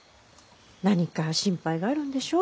何か心配があるんでしょ？